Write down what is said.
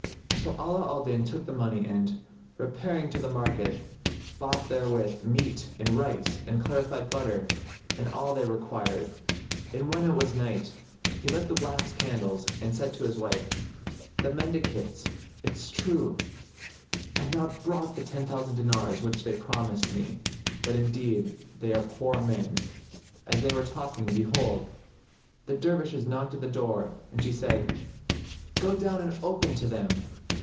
So Ala al Din took the money and, repairing to the market, bought therewith meat and rice and clarified butter and all they required. And when it was night, he lit the wax candles and said to his wife, "The mendicants, it is true, have not brought the ten thousand dinars which they promised me; but indeed they are poor men." As they were talking, behold, the Dervishes knocked at the door and she said, "Go down and open to them."